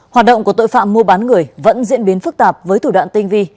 hoạt động của tội phạm mua bán người vẫn diễn biến phức tạp với thủ đoạn tinh vi